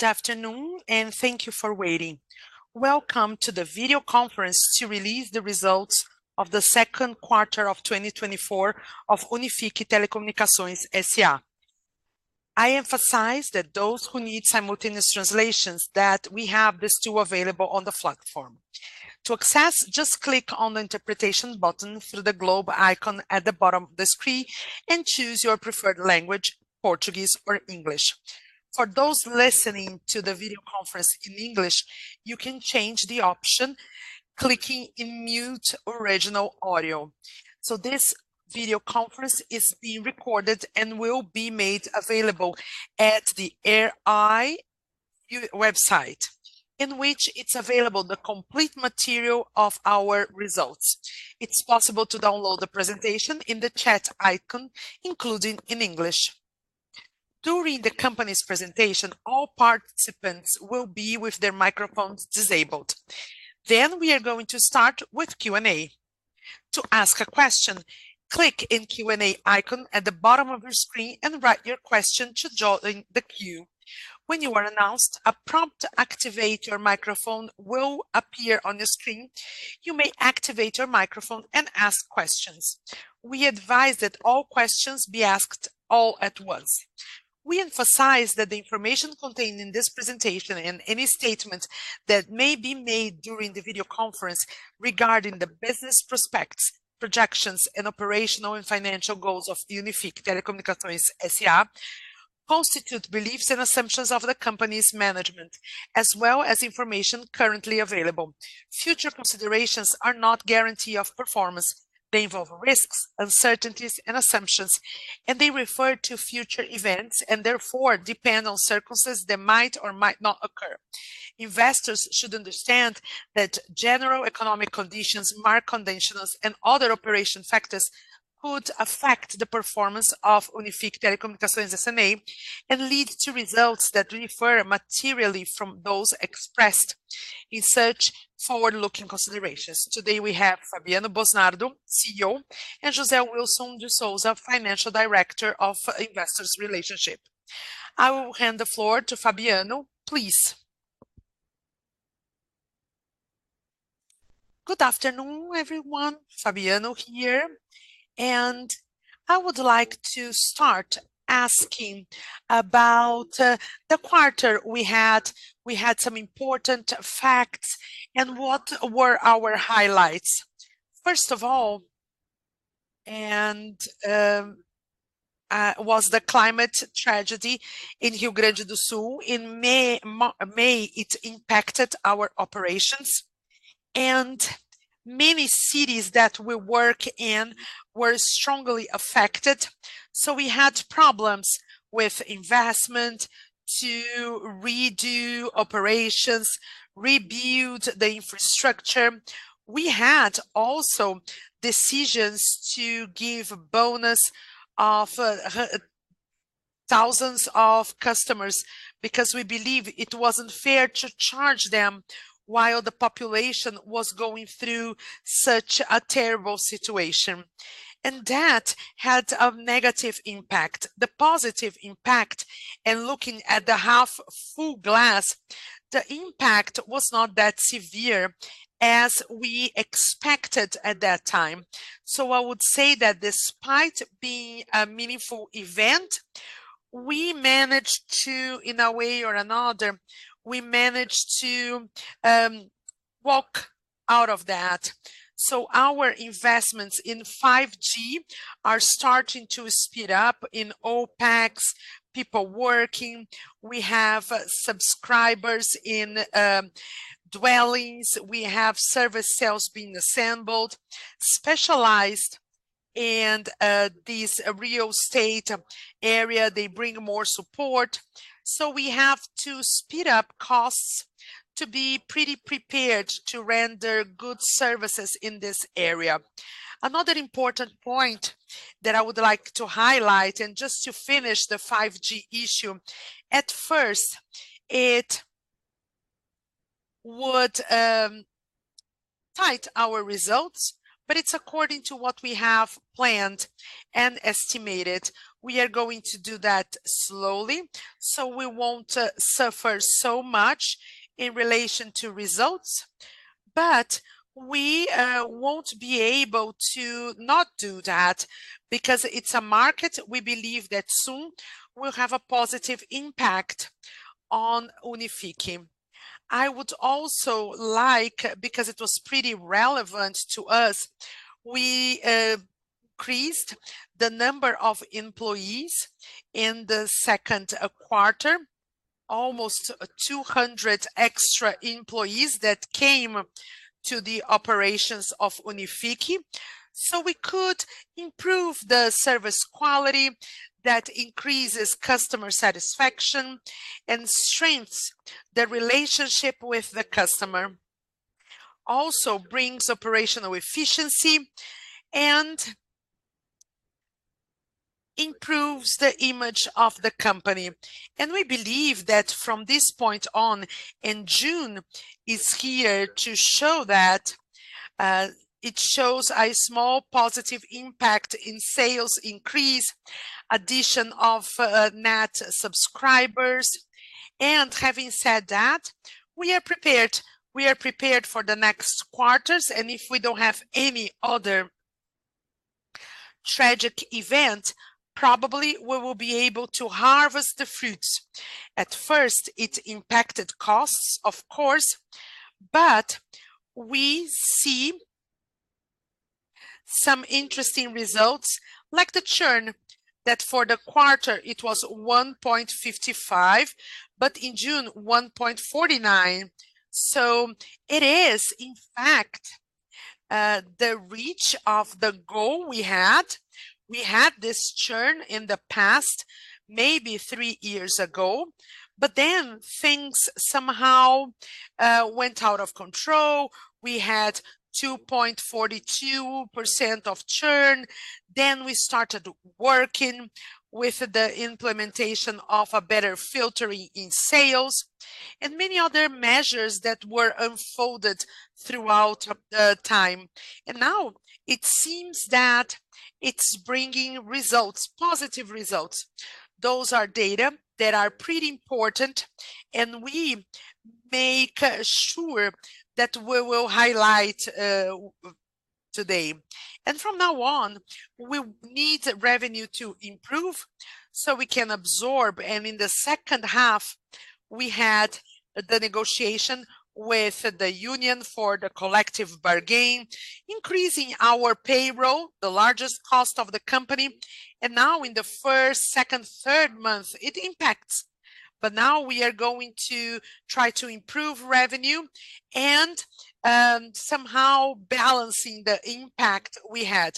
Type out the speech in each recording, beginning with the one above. Good afternoon, and thank you for waiting. Welcome to the video conference to release the results of the second quarter of 2024 of Unifique Telecomunicações S.A. I emphasize that those who need simultaneous translations that we have these two available on the platform. To access, just click on the interpretation button through the globe icon at the bottom of the screen and choose your preferred language, Portuguese or English. For those listening to the video conference in English, you can change the option clicking in Mute Original Audio. This video conference is being recorded and will be made available at the IR website, in which it's available the complete material of our results. It's possible to download the presentation in the chat icon, including in English. During the company's presentation, all participants will be with their microphones disabled. We are going to start with Q&A. To ask a question, click in Q&A icon at the bottom of your screen and write your question to join the queue. When you are announced, a prompt to activate your microphone will appear on your screen. You may activate your microphone and ask questions. We advise that all questions be asked all at once. We emphasize that the information contained in this presentation and any statement that may be made during the video conference regarding the business prospects, projections, and operational and financial goals of the Unifique Telecomunicações S.A. constitute beliefs and assumptions of the company's management, as well as information currently available. Future considerations are not guarantee of performance. They involve risks, uncertainties and assumptions, and they refer to future events, and therefore depend on circumstances that might or might not occur. Investors should understand that general economic conditions, market conditions, and other operation factors could affect the performance of Unifique Telecomunicações S.A. and lead to results that differ materially from those expressed in such forward-looking considerations. Today, we have Fabiano Busnardo, CEO, and José Wilson de Souza Júnior, Financial Director of Investors Relationship. I will hand the floor to Fabiano, please. Good afternoon, everyone. Fabiano here, and I would like to start asking about the quarter we had. We had some important facts and what were our highlights. First of all, was the climate tragedy in Rio Grande do Sul in May. It impacted our operations and many cities that we work in were strongly affected. We had problems with investment to redo operations, rebuild the infrastructure. We had also decisions to give bonuses to thousands of customers because we believe it wasn't fair to charge them while the population was going through such a terrible situation. That had a negative impact. The positive impact, and looking at the half-full glass, the impact was not as severe as we expected at that time. I would say that despite being a meaningful event, we managed to, one way or another, walk out of that. Our investments in 5G are starting to speed up in OPEX, people working. We have subscribers in dwellings. We have service sales being assembled, specialized in this Rio state area. They bring more support. We have to speed up costs to be pretty prepared to render good services in this area. Another important point that I would like to highlight and just to finish the 5G issue. At first, it would hit our results, but it's according to what we have planned and estimated. We are going to do that slowly, so we won't suffer so much in relation to results. We won't be able to not do that because it's a market we believe that soon will have a positive impact on Unifique. I would also like, because it was pretty relevant to us, we increased the number of employees in the second quarter, almost 200 extra employees that came to the operations of Unifique. We could improve the service quality that increases customer satisfaction and strengthens the relationship with the customer. Also brings operational efficiency and improves the image of the company. We believe that from this point on, in June is here to show that, it shows a small positive impact in sales increase, addition of net subscribers. Having said that, we are prepared for the next quarters, and if we don't have any other tragic event, probably we will be able to harvest the fruits. At first, it impacted costs, of course, but we see some interesting results like the churn, that for the quarter it was 1.55%, but in June 1.49%. It is, in fact, we reached the goal we had. We had this churn in the past, maybe three years ago, but then things somehow went out of control. We had 2.42% churn. We started working with the implementation of a better filtering in sales and many other measures that were unfolded throughout time. Now it seems that it's bringing results, positive results. Those are data that are pretty important, and we make sure that we will highlight today. From now on, we need revenue to improve so we can absorb. In the second half, we had the negotiation with the union for the collective bargaining, increasing our payroll, the largest cost of the company. Now in the first, second, third month, it impacts. Now we are going to try to improve revenue and somehow balancing the impact we had,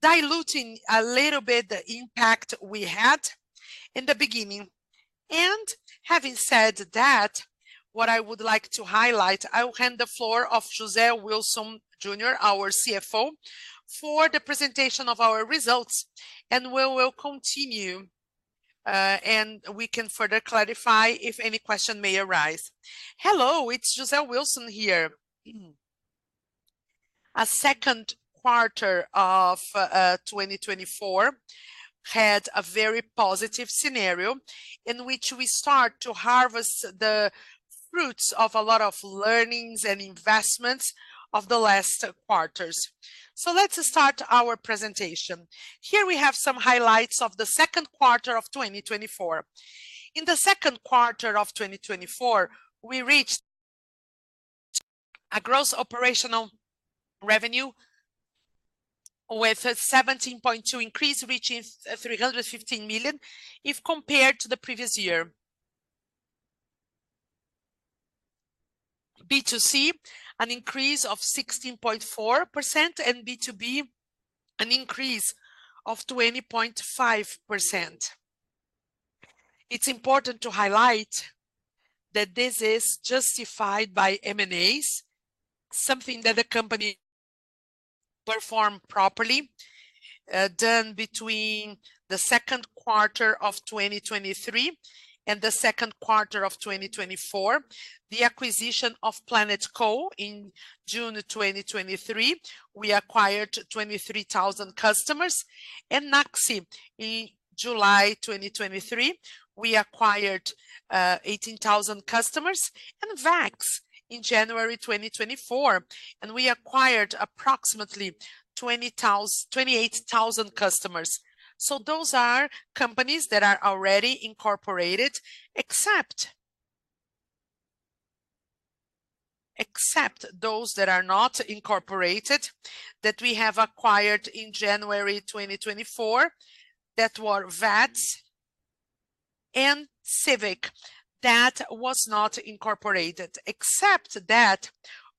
diluting a little bit the impact we had in the beginning. Having said that, what I would like to highlight, I will hand the floor to José Wilson de Souza Júnior, our CFO, for the presentation of our results and we will continue, and we can further clarify if any question may arise. Hello, it's José Wilson de Souza Júnior here. A second quarter of 2024 had a very positive scenario in which we start to harvest the fruits of a lot of learnings and investments of the last quarters. Let's start our presentation. Here we have some highlights of the second quarter of 2024. In the second quarter of 2024, we reached a gross operational revenue with a 17.2% increase, reaching 315 million if compared to the previous year. B2C, an increase of 16.4%, and B2B, an increase of 20.5%. It's important to highlight that this is justified by M&As, something that the company performed properly, done between the second quarter of 2023 and the second quarter of 2024. The acquisition of Planalto in June 2023, we acquired 23,000 customers. And Naxi in July 2023, we acquired 18,000 customers. Vex in January 2024, and we acquired approximately 28,000 customers. Those are companies that are already incorporated, except those that are not incorporated that we have acquired in January 2024 that were VEX and Sivic. That was not incorporated. Except that,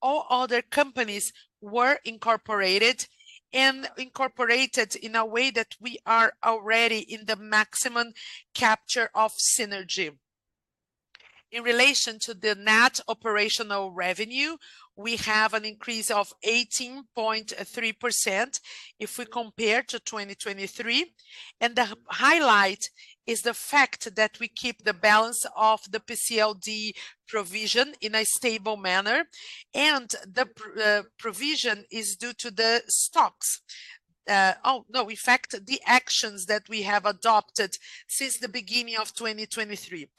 all other companies were incorporated and incorporated in a way that we are already in the maximum capture of synergy. In relation to the net operational revenue, we have an increase of 18.3% if we compare to 2023. The highlight is the fact that we keep the balance of the PCLD provision in a stable manner, and the provision is due to the stocks. In fact, the actions that we have adopted since the beginning of 2023.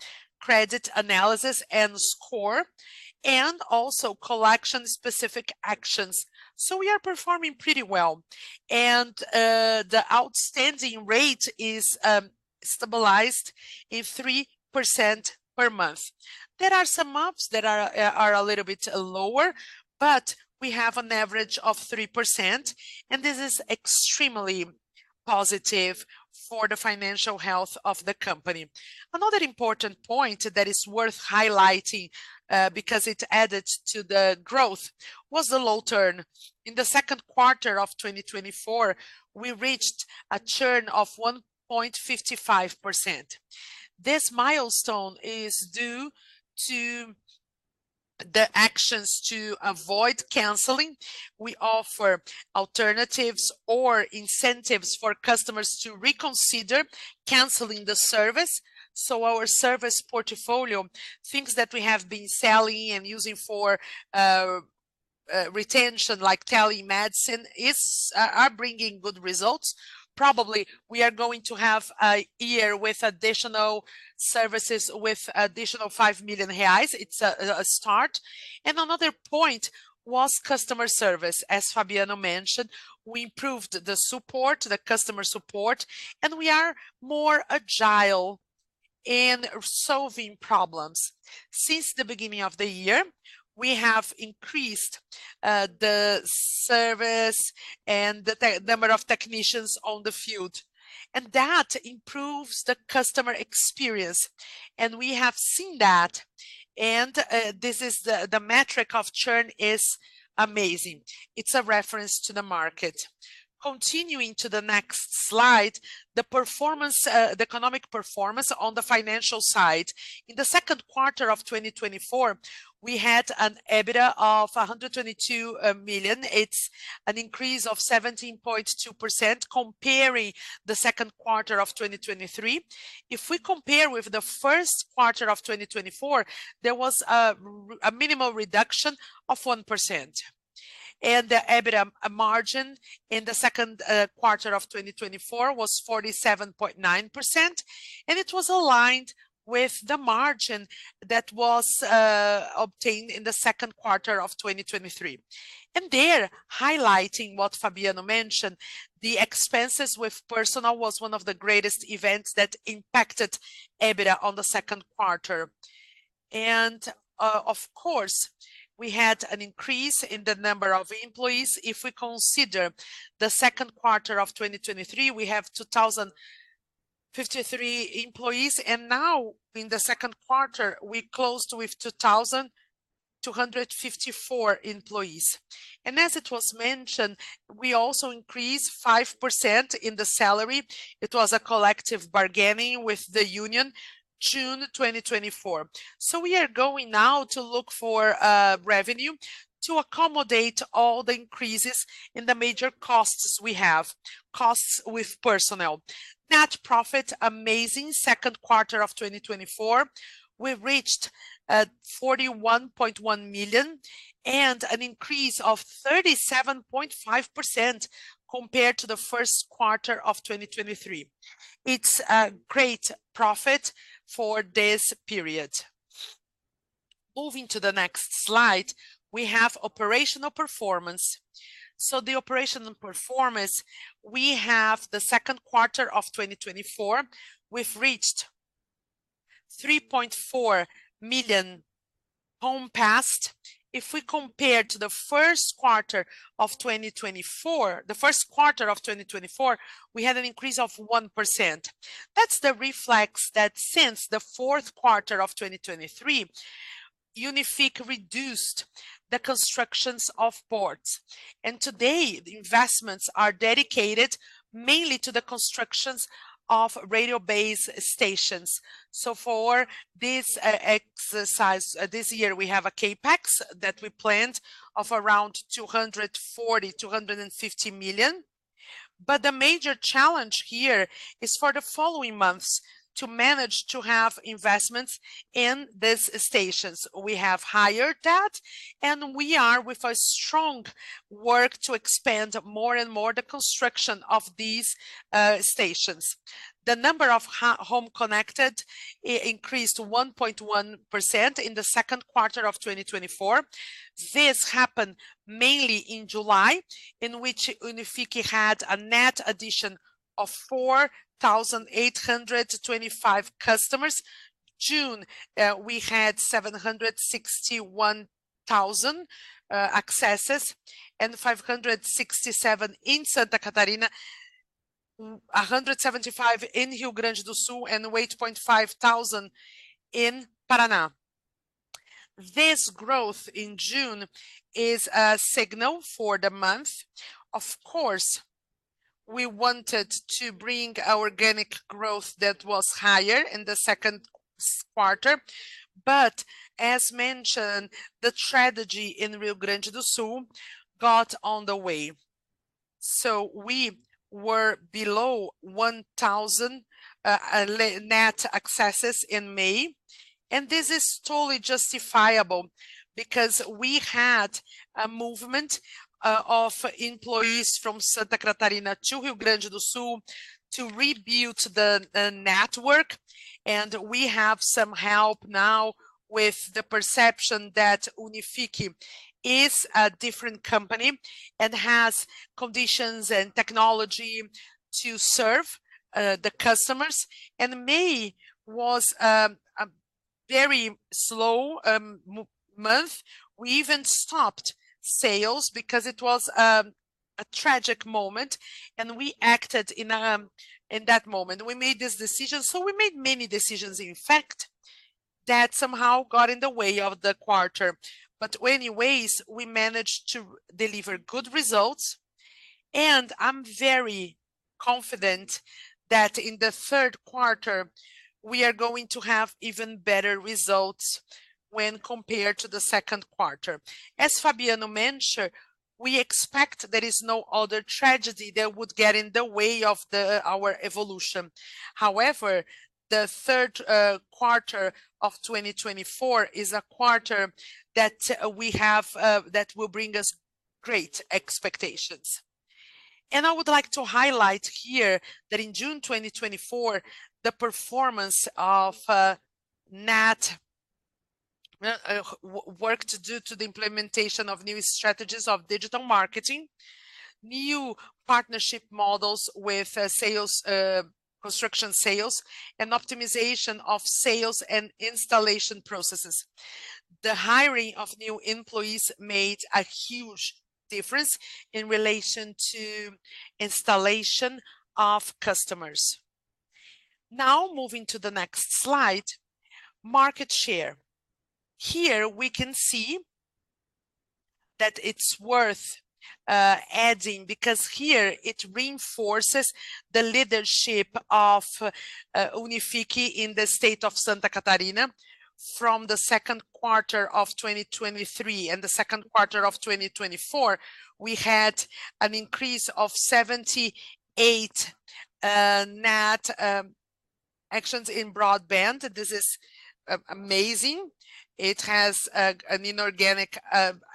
Credit analysis and score, and also collection-specific actions. We are performing pretty well. The outstanding rate is stabilized at 3% per month. There are some months that are a little bit lower, but we have an average of 3%, and this is extremely positive for the financial health of the company. Another important point that is worth highlighting, because it added to the growth, was the low churn. In the second quarter of 2024, we reached a churn of 1.55%. This milestone is due to the actions to avoid canceling. We offer alternatives or incentives for customers to reconsider canceling the service. Our service portfolio, things that we have been selling and using for retention like telemedicine are bringing good results. Probably we are going to have a year with additional services, with additional 5 million reais. It's a start. Another point was customer service. As Fabiano mentioned, we improved the support, the customer support, and we are more agile in solving problems. Since the beginning of the year, we have increased the service and the number of technicians on the field, and that improves the customer experience, and we have seen that. This is the metric of churn is amazing. It's a reference to the market. Continuing to the next slide, the performance, the economic performance on the financial side. In the second quarter of 2024, we had an EBITDA of 122 million. It's an increase of 17.2% comparing the second quarter of 2023. If we compare with the first quarter of 2024, there was a minimal reduction of 1%. The EBITDA margin in the second quarter of 2024 was 47.9%, and it was aligned with the margin that was obtained in the second quarter of 2023. There, highlighting what Fabiano mentioned, the expenses with personnel was one of the greatest events that impacted EBITDA on the second quarter. Of course, we had an increase in the number of employees. If we consider the second quarter of 2023, we have 2,053 employees, and now in the second quarter, we closed with 2,254 employees. As it was mentioned, we also increased 5% in the salary. It was a collective bargaining with the union June 2024. We are going now to look for revenue to accommodate all the increases in the major costs we have. Costs with personnel. Net profit, amazing second quarter of 2024. We've reached 41.1 million and an increase of 37.5% compared to the first quarter of 2023. It's a great profit for this period. Moving to the next slide, we have operational performance. The operational performance, we have the second quarter of 2024. We've reached 3.4 million Homes Passed. If we compare to the first quarter of 2024, we had an increase of 1%. That's the reflection that since the fourth quarter of 2023, Unifique reduced the constructions of ports. Today, the investments are dedicated mainly to the constructions of radio base stations. For this exercise this year, we have a CapEx that we planned of around 240 million-250 million. The major challenge here is for the following months to manage to have investments in these stations. We have hired that, and we are with a strong work to expand more and more the construction of these stations. The number of Homes Connected increased 1.1% in the second quarter of 2024. This happened mainly in July, in which Unifique had a net addition of 4,825 customers. June, we had 761,000 accesses, and 567 in Santa Catarina, 175 in Rio Grande do Sul, and 8.5 thousand in Paraná. This growth in June is a signal for the month. Of course, we wanted to bring our organic growth that was higher in the second quarter, but as mentioned, the tragedy in Rio Grande do Sul got on the way. We were below 1,000 net accesses in May, and this is totally justifiable because we had a movement of employees from Santa Catarina to Rio Grande do Sul to rebuild the network. We have some help now with the perception that Unifique is a different company and has conditions and technology to serve the customers. May was a very slow month. We even stopped sales because it was a tragic moment, and we acted in that moment. We made this decision. We made many decisions, in fact, that somehow got in the way of the quarter. Anyways, we managed to deliver good results, and I'm very confident that in the third quarter, we are going to have even better results when compared to the second quarter. As Fabiano mentioned, we expect there is no other tragedy that would get in the way of our evolution. However, the third quarter of 2024 is a quarter that will bring us great expectations. I would like to highlight here that in June 2024, the performance of net adds was due to the implementation of new strategies of digital marketing, new partnership models with sales, construction sales, and optimization of sales and installation processes. The hiring of new employees made a huge difference in relation to installation of customers. Now, moving to the next slide, market share. Here we can see that it's worth noting because here it reinforces the leadership of Unifique in the state of Santa Catarina from the second quarter of 2023 and the second quarter of 2024, we had an increase of 78 net additions in broadband. This is amazing. It has an inorganic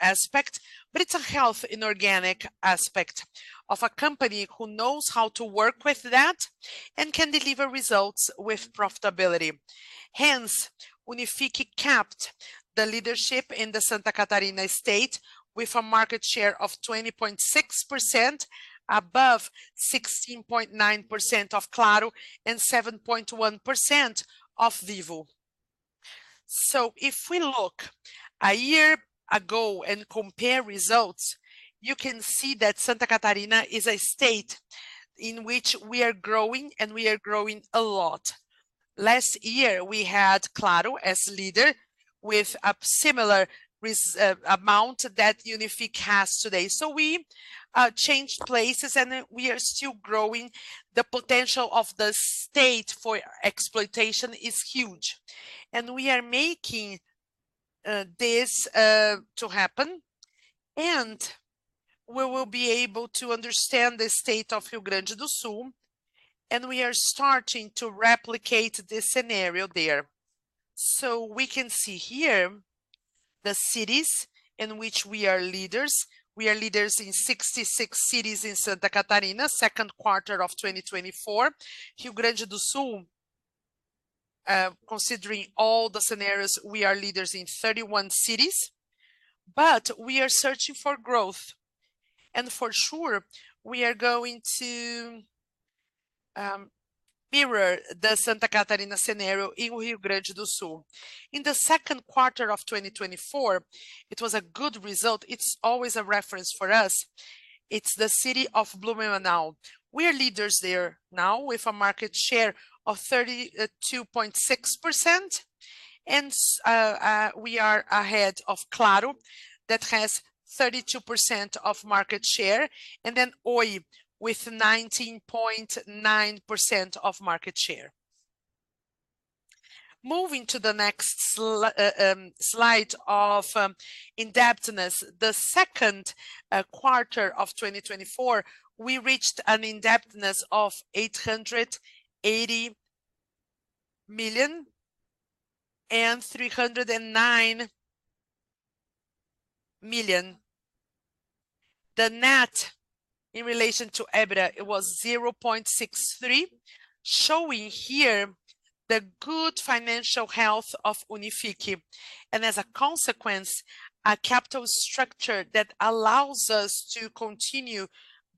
aspect, but it's a healthy inorganic aspect of a company who knows how to work with that and can deliver results with profitability. Hence, Unifique kept the leadership in the Santa Catarina state with a market share of 20.6% above 16.9% of Claro and 7.1% of Vivo. If we look a year ago and compare results, you can see that Santa Catarina is a state in which we are growing, and we are growing a lot. Last year, we had Claro as leader with a similar amount that Unifique has today. We changed places, and we are still growing. The potential of the state for exploitation is huge, and we are making this to happen, and we will be able to understand the state of Rio Grande do Sul, and we are starting to replicate this scenario there. We can see here the cities in which we are leaders. We are leaders in 66 cities in Santa Catarina, second quarter of 2024. Rio Grande do Sul, considering all the scenarios, we are leaders in 31 cities, but we are searching for growth. For sure, we are going to mirror the Santa Catarina scenario in Rio Grande do Sul. In the second quarter of 2024, it was a good result. It's always a reference for us. It's the city of Blumenau. We are leaders there now with a market share of 32.6% and we are ahead of Claro, that has 32% of market share, and then Oi with 19.9% of market share. Moving to the next slide of indebtedness. The second quarter of 2024, we reached an indebtedness of 880 million and 309 million. The net in relation to EBITDA, it was 0.63, showing here the good financial health of Unifique and, as a consequence, a capital structure that allows us to continue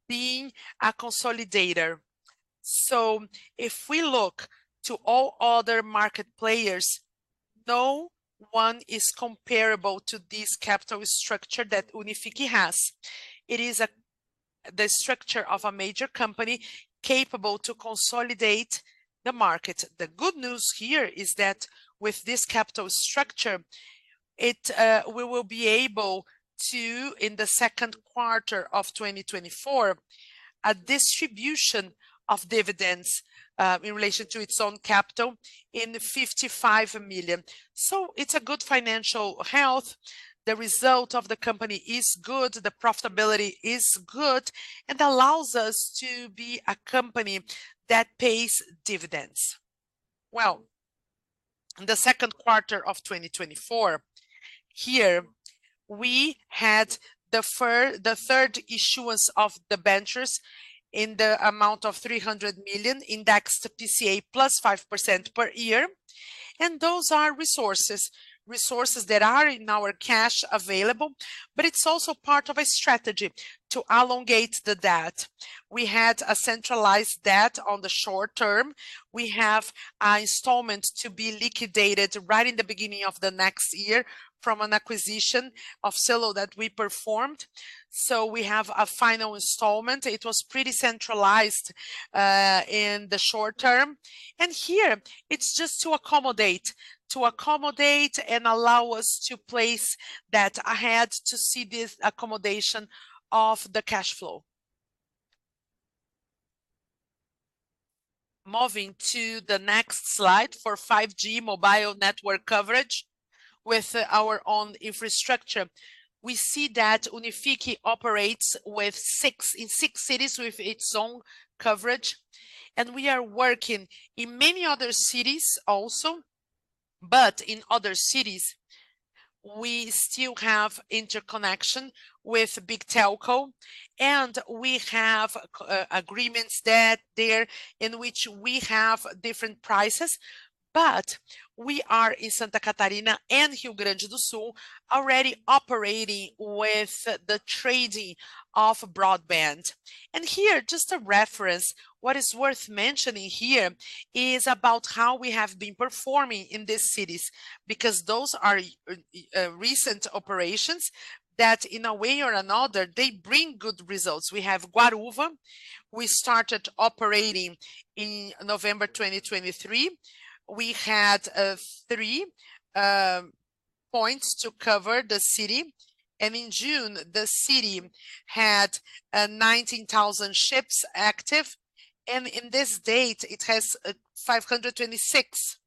being a consolidator. If we look to all other market players, no one is comparable to this capital structure that Unifique has. It is a, the structure of a major company capable to consolidate the market. The good news here is that with this capital structure, it, we will be able to, in the second quarter of 2024, a distribution of dividends, in relation to its own capital in 55 million. It's a good financial health. The result of the company is good, the profitability is good and allows us to be a company that pays dividends. Well, the second quarter of 2024, here we had the third issuance of debentures in the amount of 300 million indexed to IPCA plus 5% per year. Those are resources that are in our cash available, but it's also part of a strategy to elongate the debt. We had a centralized debt on the short term. We have an installment to be liquidated right in the beginning of the next year from an acquisition of Sygo that we performed. We have a final installment. It was pretty centralized in the short term. Here it's just to accommodate and allow us to place debt ahead to see this accommodation of the cash flow. Moving to the next slide for 5G mobile network coverage with our own infrastructure. We see that Unifique operates in six cities with its own coverage, and we are working in many other cities also. In other cities, we still have interconnection with big telco, and we have agreements therein which we have different prices. We are in Santa Catarina and Rio Grande do Sul already operating with the trading of broadband. Here, just a reference, what is worth mentioning here is about how we have been performing in these cities, because those are recent operations that in a way or another, they bring good results. We have Guaramirim, we started operating in November 2023. We had three points to cover the city. In June, the city had 19,000 CHIPS active, and in this date it has 526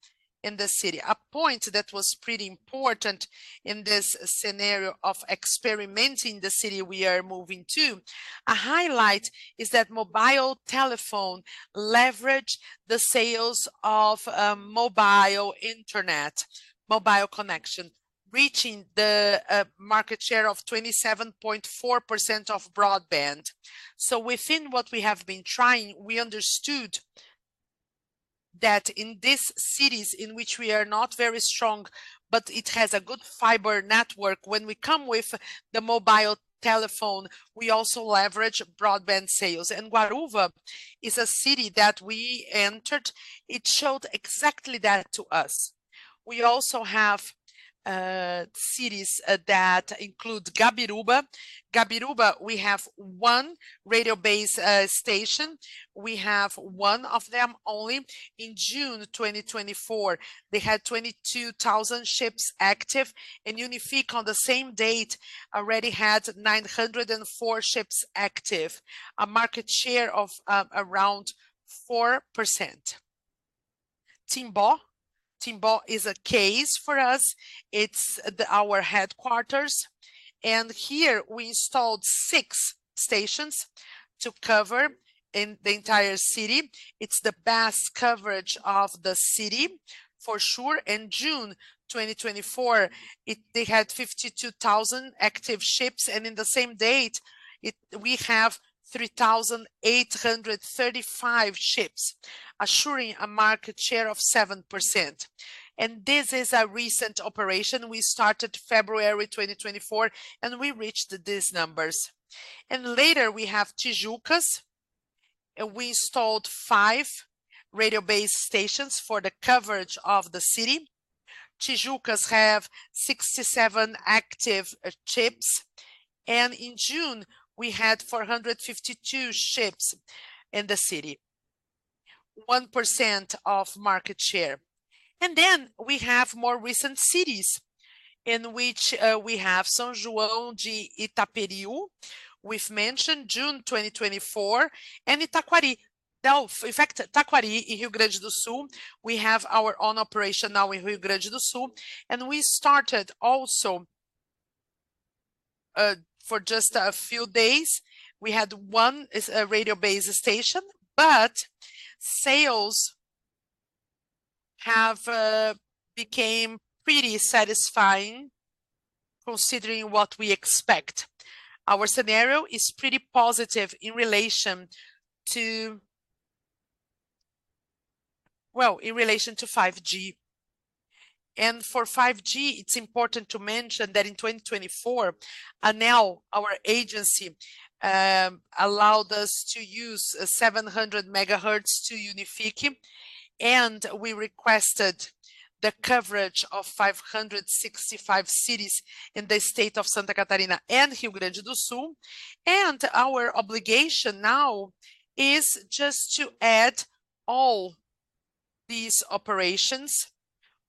in the city. A point that was pretty important in this scenario of entering the city we are moving to. A highlight is that mobile telephone leverage the sales of mobile internet, mobile connection, reaching the market share of 27.4% of broadband. Within what we have been trying, we understood that in these cities in which we are not very strong, but it has a good fiber network, when we come with the mobile telephone, we also leverage broadband sales. Guarumirim is a city that we entered. It showed exactly that to us. We also have cities that include Gabiroba. Gabiroba, we have one radio base station. We have one of them only. In June 2024, they had 22,000 CHIPS active and Unifique on the same date already had 904 CHIPS active. A market share of around 4%. Timbó is a case for us. It's our headquarters, and here we installed six stations to cover in the entire city. It's the best coverage of the city for sure. In June 2024, they had 52,000 active CHIPS and in the same date, we have 3,835 CHIPS, assuring a market share of 7%. This is a recent operation. We started February 2024, and we reached these numbers. Later we have Tijucas, and we installed five radio base stations for the coverage of the city. Tijucas have 67 active CHIPS, and in June we had 452 CHIPS in the city. One percent of market share. Then we have more recent cities in which we have São João do Itaperiú. We've mentioned June 2024 and Taquari. Now, in fact, Taquari in Rio Grande do Sul, we have our own operation now in Rio Grande do Sul, and we started also for just a few days. We have one. It's a radio base station, but sales have become pretty satisfying considering what we expect. Our scenario is pretty positive in relation to 5G. For 5G, it's important to mention that in 2024, Anatel, our agency, allowed us to use 700 MHz to Unifique, and we requested the coverage of 565 cities in the state of Santa Catarina and Rio Grande do Sul. Our obligation now is just to add all these operations,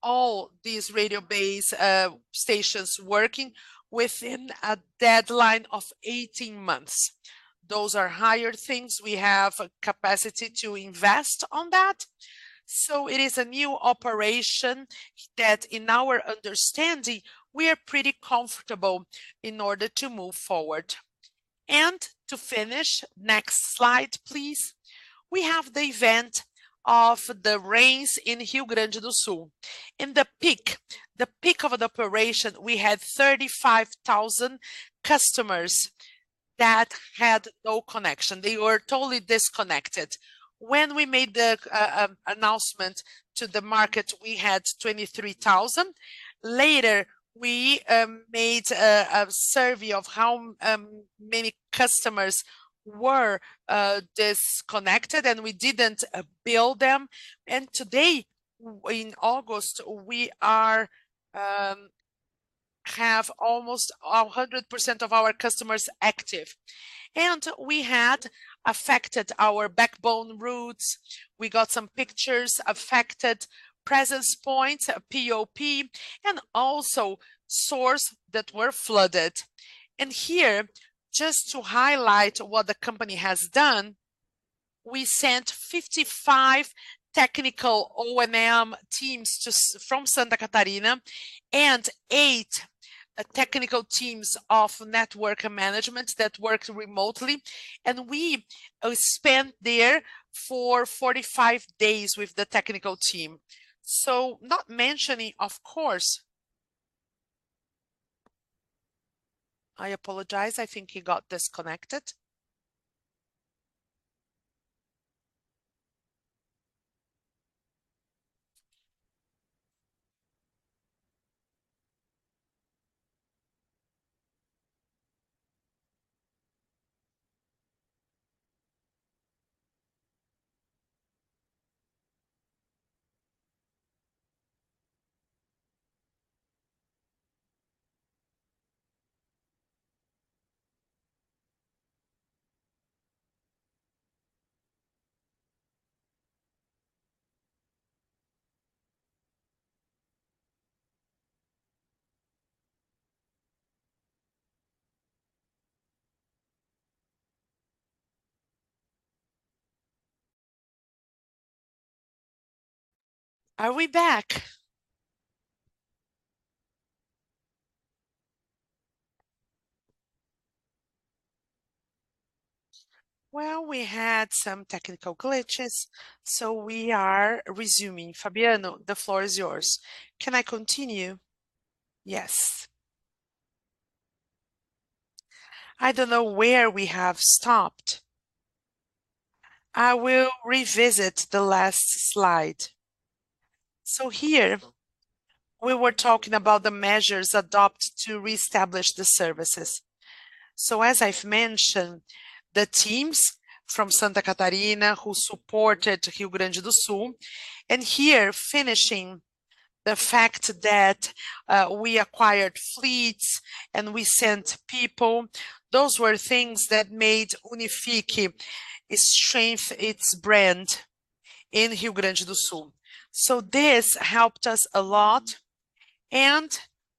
all these radio base stations working within a deadline of 18 months. Those are higher things. We have a capacity to invest in that. It is a new operation that in our understanding, we are pretty comfortable in order to move forward. To finish, next slide please. We have the event of the rains in Rio Grande do Sul. In the peak of the operation, we had 35,000 customers that had no connection. They were totally disconnected. When we made the announcement to the market, we had 23,000. Later, we made a survey of how many customers were disconnected, and we didn't bill them. Today, in August, we have almost 100% of our customers active. We had affected our backbone routes. We got some pictures, affected presence points, POP, and also sources that were flooded. Here, just to highlight what the company has done. We sent 55 technical O&M teams just from Santa Catarina and eight technical teams of network management that works remotely. We spent there for 45 days with the technical team. Not mentioning, of course. I apologize. I think he got disconnected. Are we back? Well, we had some technical glitches, so we are resuming. Fabiano, the floor is yours. Can I continue? Yes. I don't know where we have stopped. I will revisit the last slide. Here we were talking about the measures adopted to reestablish the services. As I've mentioned, the teams from Santa Catarina who supported Rio Grande do Sul. Here finishing the fact that we acquired fleets and we sent people, those were things that made Unifique strengthen its brand in Rio Grande do Sul. This helped us a lot, and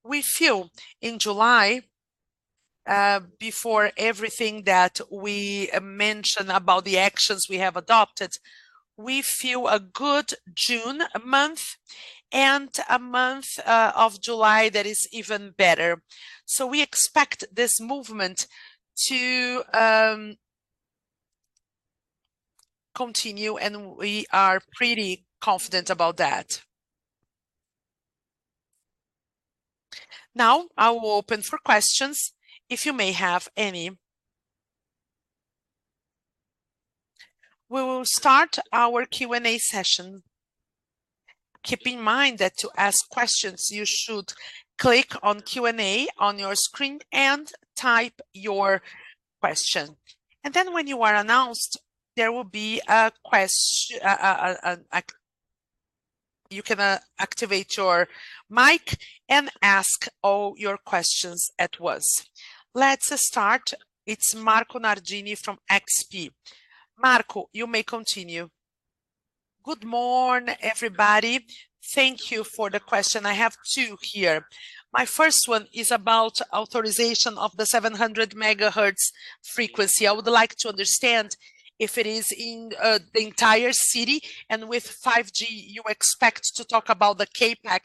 we feel in July, before everything that we mentioned about the actions we have adopted, we feel a good June month and a month of July that is even better. We expect this movement to continue, and we are pretty confident about that. Now, I will open for questions if you may have any. We will start our Q&A session. Keep in mind that to ask questions, you should click on Q&A on your screen and type your question. When you are announced, you can activate your mic and ask all your questions at once. Let's start. It's Marco Nardini from XP. Marco, you may continue. Good morning, everybody. Thank you for the question. I have two here. My first one is about authorization of the 700 MHz frequency. I would like to understand if it is in the entire city and with 5G you expect to talk about the CapEx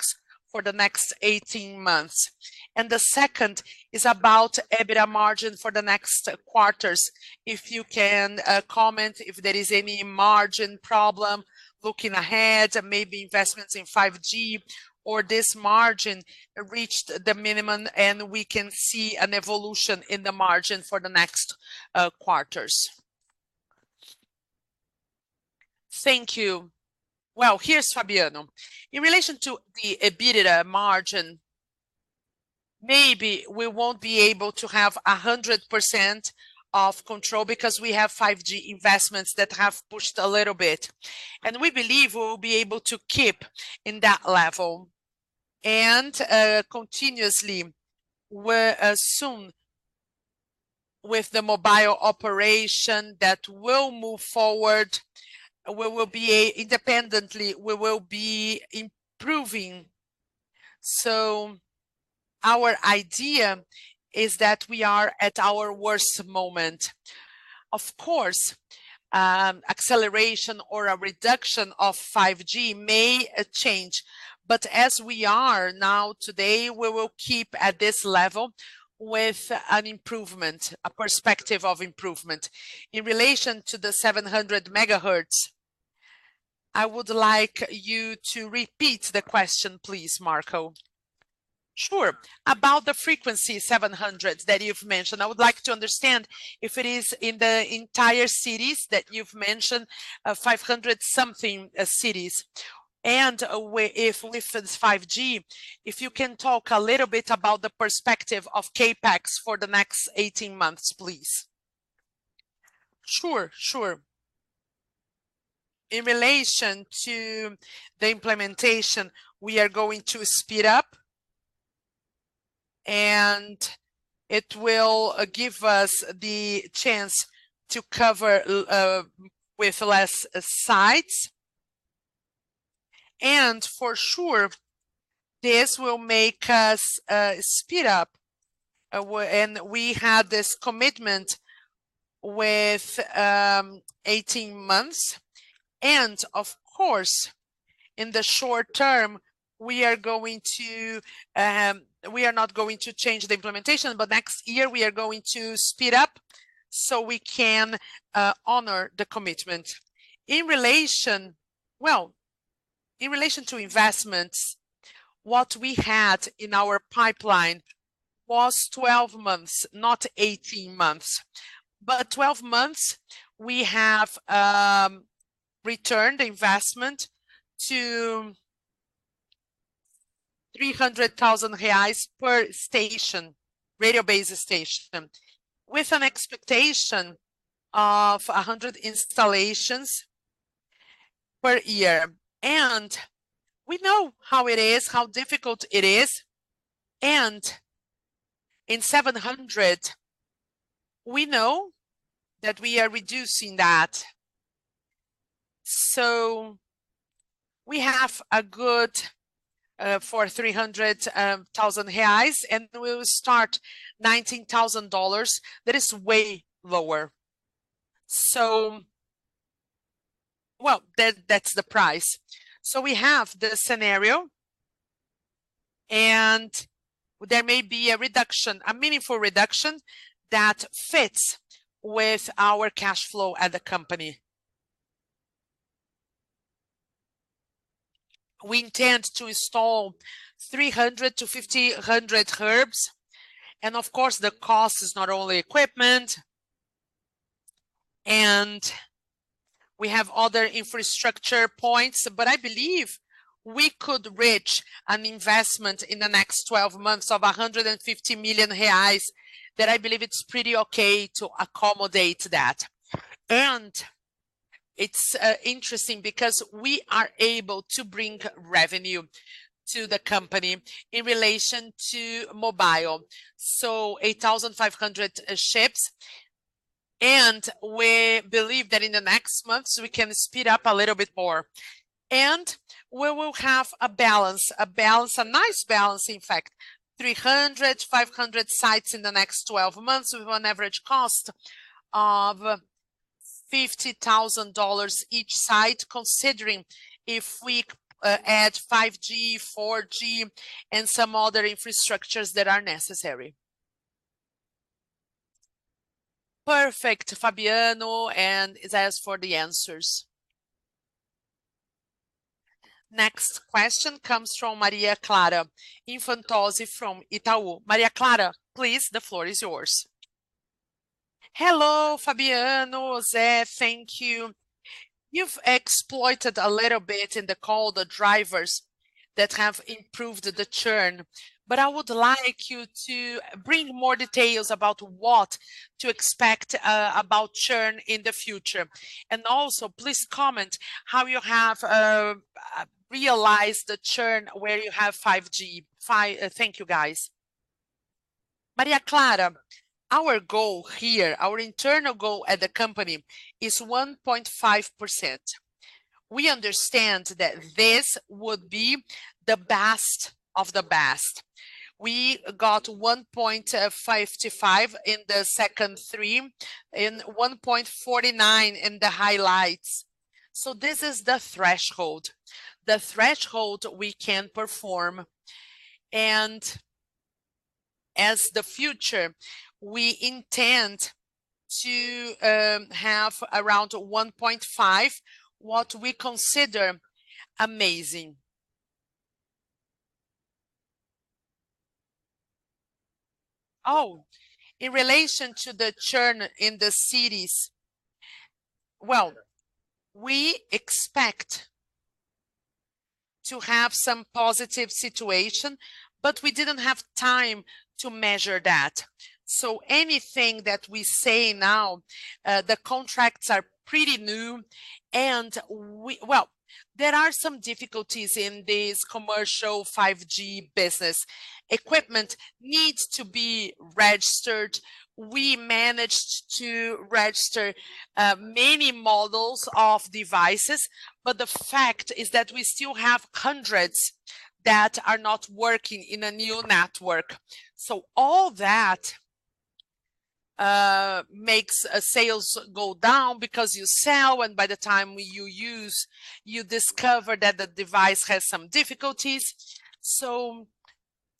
for the next 18 months? The second is about EBITDA margin for the next quarters. If you can, comment if there is any margin problem looking ahead and maybe investments in 5G or this margin reached the minimum and we can see an evolution in the margin for the next quarters? Thank you. Well, here's Fabiano Busnardo. In relation to the EBITDA margin, maybe we won't be able to have 100% of control because we have 5G investments that have pushed a little bit. We believe we will be able to keep in that level and continuously, we're soon with the mobile operation that will move forward, we will be independently, we will be improving. Our idea is that we are at our worst moment. Of course, acceleration or a reduction of 5G may change. As we are now today, we will keep at this level with an improvement, a perspective of improvement. In relation to the 700 MHz, I would like you to repeat the question, please, Marco. Sure. About the frequency 700 that you've mentioned, I would like to understand if it is in the entire cities that you've mentioned, 500-something cities, and in reference to 5G. If you can talk a little bit about the perspective of CapEx for the next 18 months, please? Sure, sure. In relation to the implementation, we are going to speed up and it will give us the chance to cover with less sites. And for sure, this will make us speed up. And we had this commitment with 18 months. Of course, in the short term we are not going to change the implementation, but next year we are going to speed up so we can honor the commitment. In relation to investments, what we had in our pipeline was 12 months, not 18 months. Twelve months, we have returned investment to 300,000 reais per station, Radio Base Station, with an expectation of 100 installations per year. We know how it is, how difficult it is. In 700 MHz we know that we are reducing that. We have a good for 300,000 reais, and we will start $19,000. That is way lower. That is the price. We have the scenario and there may be a reduction, a meaningful reduction that fits with our cash flow at the company. We intend to install 300-500 hubs. Of course, the cost is not only equipment, and we have other infrastructure points. I believe we could reach an investment in the next 12 months of 150 million reais that I believe it's pretty okay to accommodate that. It's interesting because we are able to bring revenue to the company in relation to mobile. 8,500 CHIPs, and we believe that in the next months we can speed up a little bit more. We will have a balance, a nice balance in fact, 300-500 sites in the next 12 months with an average cost of $50,000 each site, considering if we add 5G, 4G and some other infrastructures that are necessary. Perfect, Fabiano and José for the answers. Next question comes from Maria Clara Infantozzi from Itaú. Maria Clara, please, the floor is yours. Hello, Fabiano, José. Thank you. You've elaborated a little bit in the call the drivers that have improved the churn, but I would like you to bring more details about what to expect about churn in the future. Also please comment how you have realized the churn where you have 5G. Thank you, guys. Maria Clara, our goal here, our internal goal at the company is 1.5%. We understand that this would be the best of the best. We got 1.5 to 5 in the second three and 1.49 in the highlights. This is the threshold. The threshold we can perform. In the future, we intend to have around 1.5, what we consider amazing. Oh, in relation to the churn in the cities. Well, we expect to have some positive situation, but we didn't have time to measure that. Anything that we say now, the contracts are pretty new and there are some difficulties in this commercial 5G business. Equipment needs to be registered. We managed to register many models of devices, but the fact is that we still have hundreds that are not working in a new network. All that makes sales go down because you sell and by the time you use, you discover that the device has some difficulties.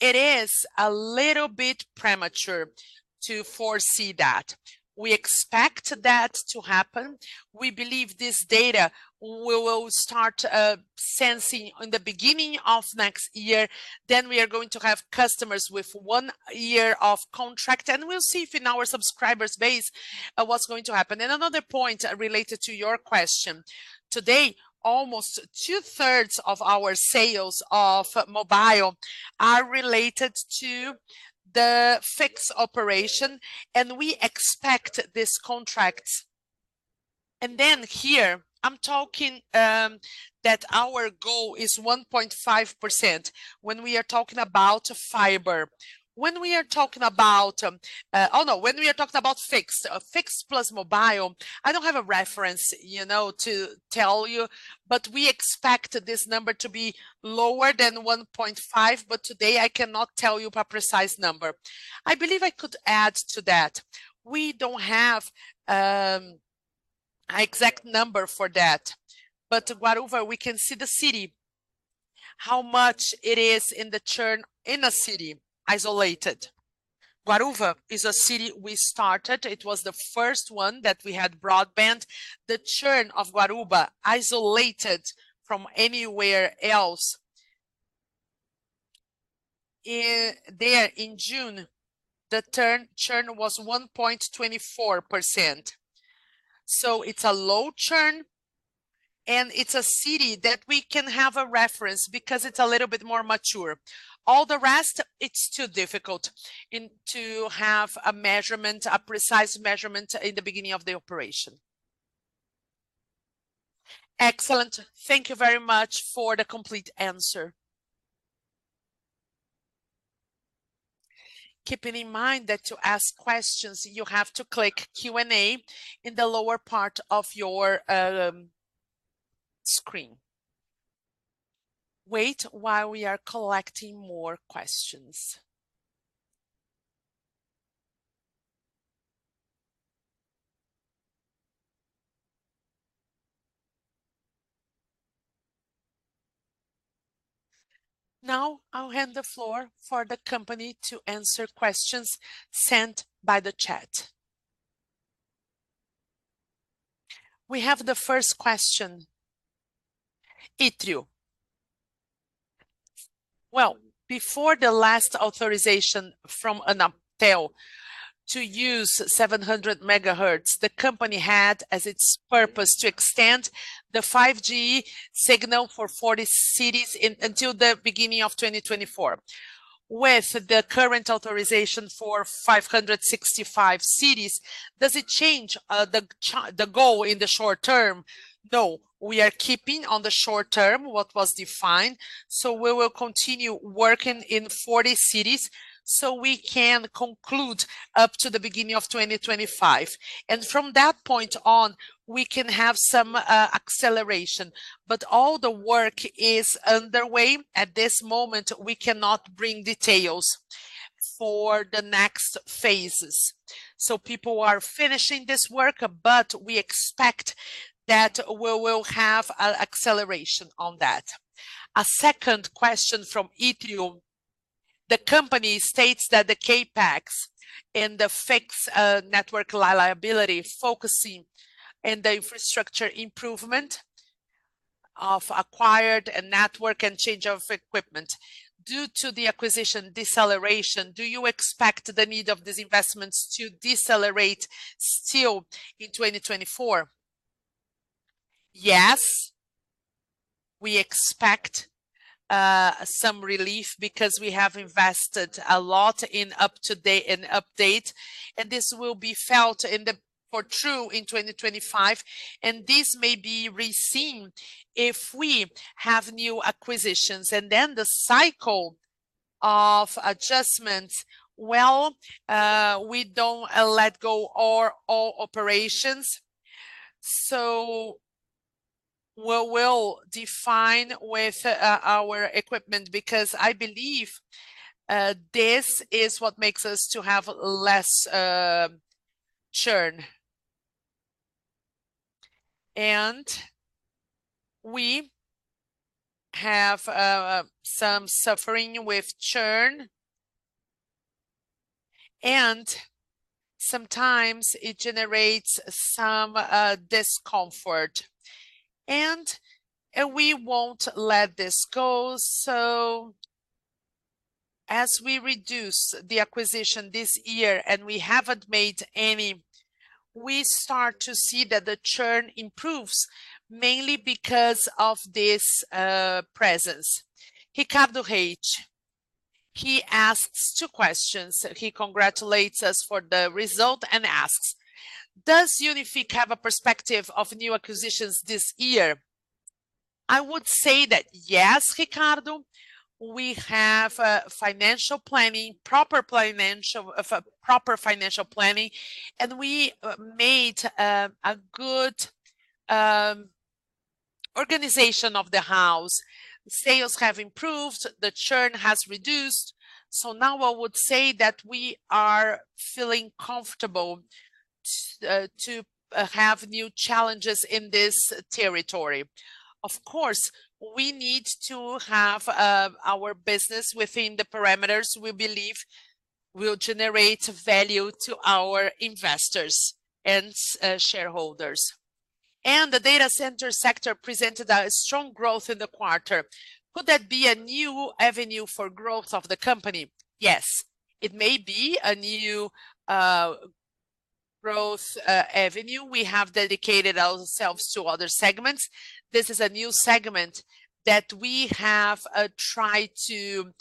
It is a little bit premature to foresee that. We expect that to happen. We believe this data we will start sensing in the beginning of next year. We are going to have customers with one year of contract, and we'll see if in our subscriber base what's going to happen. Another point related to your question. Today, almost two-thirds of our sales of mobile are related to the fixed operation, and we expect these contracts. Here I'm talking that our goal is 1.5% when we are talking about fiber. When we are talking about. Oh, no. When we are talking about fixed plus mobile, I don't have a reference, you know, to tell you, but we expect this number to be lower than 1.5%, but today I cannot tell you a precise number. I believe I could add to that. We don't have an exact number for that. Guaramirim, we can see the city, how much it is in the churn in a city isolated. Guaramirim is a city we started. It was the first one that we had broadband. The churn of Guaramirim, isolated from anywhere else, there in June, the churn was 1.24%. It's a low churn, and it's a city that we can have a reference because it's a little bit more mature. All the rest, it's too difficult to have a measurement, a precise measurement in the beginning of the operation. Excellent. Thank you very much for the complete answer. Keeping in mind that to ask questions, you have to click Q&A in the lower part of your screen. Wait while we are collecting more questions. Now, I'll hand the floor for the company to answer questions sent by the chat. We have the first question from Itrio. Well, before the last authorization from Anatel to use 700 MHz, the company had as its purpose to extend the 5G signal for 40 cities until the beginning of 2024. With the current authorization for 565 cities, does it change the goal in the short term? No. We are keeping on the short term what was defined, so we will continue working in 40 cities, so we can conclude up to the beginning of 2025. From that point on, we can have some acceleration. All the work is underway. At this moment, we cannot bring details for the next phases. People are finishing this work, but we expect that we will have a acceleration on that. A second question from Itrio. The company states that the CapEx in the fixed network reliability focusing in the infrastructure improvement of acquired network and change of equipment due to the acquisition deceleration. Do you expect the need of these investments to decelerate still in 2024? Yes. We expect some relief because we have invested a lot in up-to-date and update, and this will be felt in the future in 2025, and this may be revised if we have new acquisitions. Then the cycle of adjustments, well, we don't let go all operations, so we will do fine with our equipment because I believe this is what makes us to have less churn. We have some suffering with churn and sometimes it generates some discomfort. We won't let this go, so as we reduce the acquisition this year, and we haven't made any, we start to see that the churn improves, mainly because of this presence. Ricardo H, he asks two questions. He congratulates us for the result and asks, "Does Unifique have a perspective of new acquisitions this year?" I would say that yes, Ricardo, we have a financial planning, proper financial planning, and we made a good organization of the house. Sales have improved. The churn has reduced. Now I would say that we are feeling comfortable to have new challenges in this territory. Of course, we need to have our business within the parameters we believe will generate value to our investors and shareholders. The data center sector presented a strong growth in the quarter. Could that be a new avenue for growth of the company? Yes. It may be a new growth avenue. We have dedicated ourselves to other segments. This is a new segment that we have tried to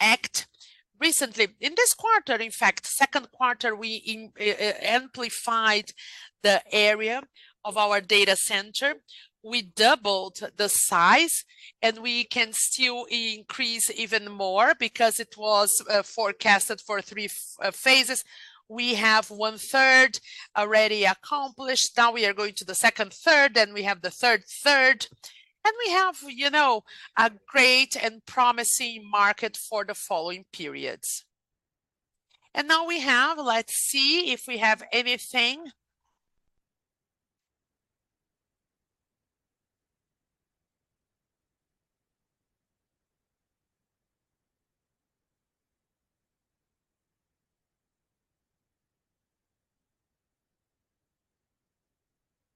act recently. In this quarter, in fact, second quarter, we amplified the area of our data center. We doubled the size, and we can still increase even more because it was forecasted for three phases. We have one-third already accomplished. Now we are going to the second third, then we have the third third. We have, you know, a great and promising market for the following periods. Now we have. Let's see if we have anything.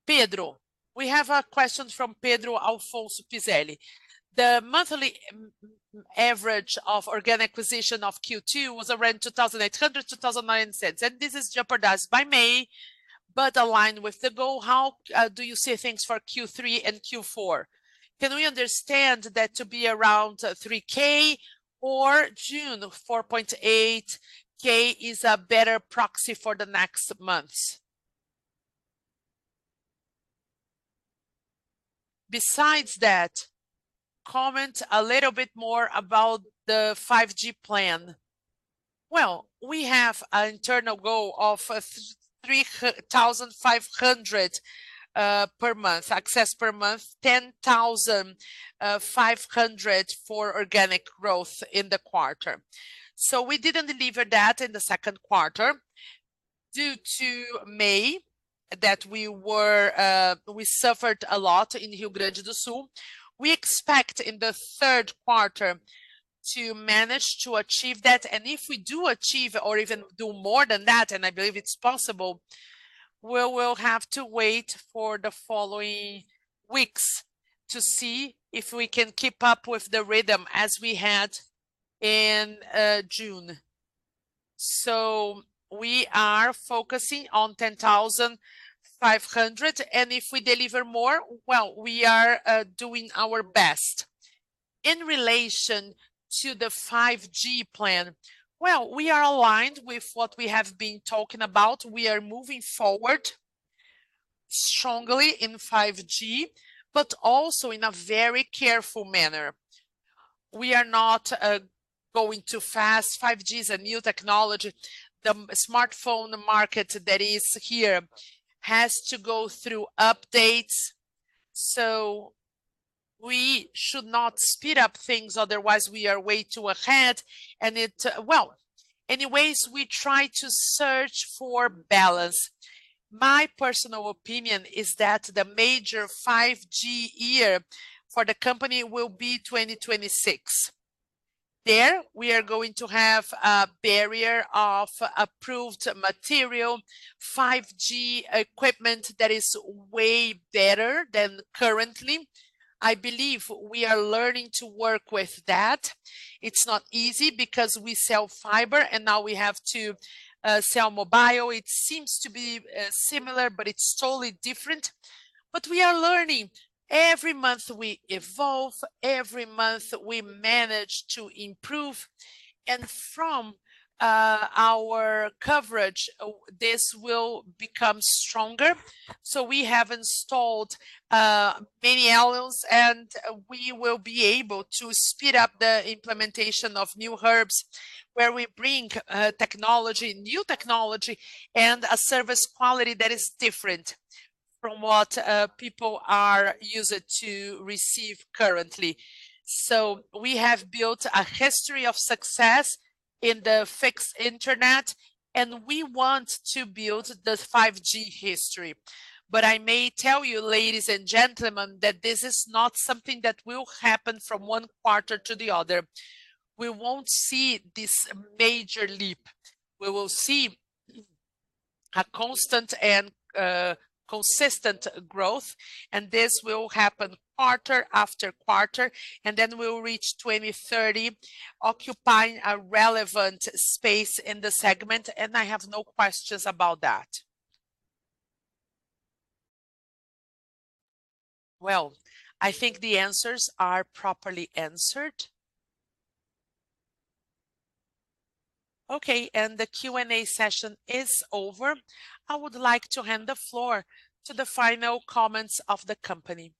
Pedro. We have a question from Pedro Afonso Pizelli. The monthly average of organic acquisition of Q2 was around 2,800 to 2,900, and this is jeopardized by May, but aligned with the goal. How do you see things for Q3 and Q4? Can we understand that to be around 3K or June 4.8K is a better proxy for the next months? Besides that, comment a little bit more about the 5G plan. Well, we have internal goal of 3,500 per month access per month, 10,500 for organic growth in the quarter. We didn't deliver that in the second quarter due to May that we were, we suffered a lot in Rio Grande do Sul. We expect in the third quarter to manage to achieve that, and if we do achieve or even do more than that, and I believe it's possible, we will have to wait for the following weeks to see if we can keep up with the rhythm as we had in June. We are focusing on 10,500, and if we deliver more, well, we are doing our best. In relation to the 5G plan, well, we are aligned with what we have been talking about. We are moving forward strongly in 5G, but also in a very careful manner. We are not going too fast. 5G is a new technology. The smartphone market that is here has to go through updates, so we should not speed up things, otherwise we are way too ahead. Well, anyways, we try to search for balance. My personal opinion is that the major 5G year for the company will be 2026. There, we are going to have a variety of approved material, 5G equipment that is way better than currently. I believe we are learning to work with that. It's not easy because we sell fiber and now we have to sell mobile. It seems to be similar, but it's totally different. We are learning. Every month we evolve, every month we manage to improve. From our coverage, this will become stronger. We have installed many [ERBs], and we will be able to speed up the implementation of new hubs where we bring technology, new technology and a service quality that is different from what people are used to receive currently. We have built a history of success in the fixed internet, and we want to build the 5G history. I may tell you, ladies and gentlemen, that this is not something that will happen from one quarter to the other. We won't see this major leap. We will see a constant and consistent growth, and this will happen quarter after quarter, and then we'll reach 2030 occupying a relevant space in the segment, and I have no questions about that. Well, I think the answers are properly answered. Okay, and the Q&A session is over. I would like to hand the floor to the final comments of the company.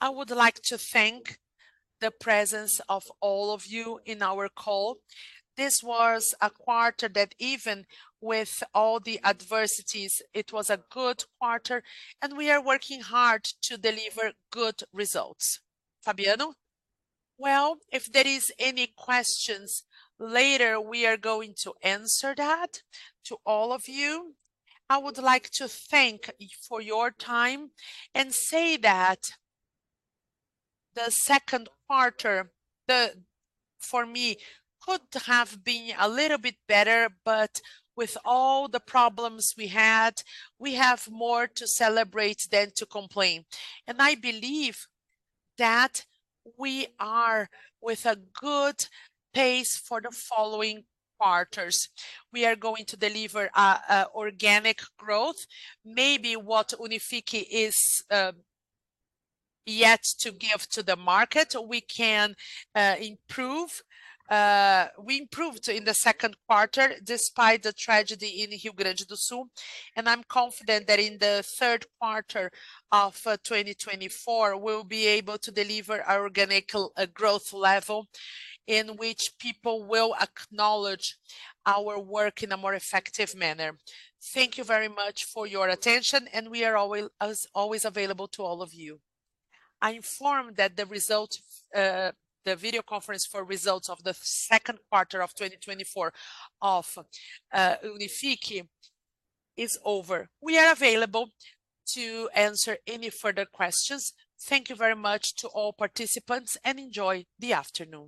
I would like to thank the presence of all of you in our call. This was a quarter that even with all the adversities, it was a good quarter, and we are working hard to deliver good results. Fabiano. Well, if there is any questions later, we are going to answer that to all of you. I would like to thank you for your time and say that the second quarter for me could have been a little bit better, but with all the problems we had, we have more to celebrate than to complain. I believe that we are with a good pace for the following quarters. We are going to deliver organic growth, maybe what Unifique is yet to give to the market, we can improve. We improved in the second quarter despite the tragedy in Rio Grande do Sul, and I'm confident that in the third quarter of 2024, we'll be able to deliver organic growth level in which people will acknowledge our work in a more effective manner. Thank you very much for your attention, and we are as always available to all of you. I inform that the result, the video conference for results of the second quarter of 2024 of Unifique is over. We are available to answer any further questions. Thank you very much to all participants, and enjoy the afternoon.